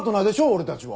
俺たちは。